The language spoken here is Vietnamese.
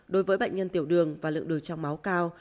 đối với bệnh nhân tiểu đường và lượng đường trong máu cao